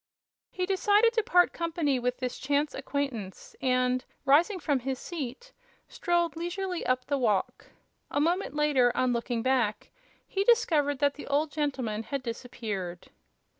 He decided to part company with this chance acquaintance and, rising from his seat, strolled leisurely up the walk. A moment later, on looking back, he discovered that the old gentleman had disappeared.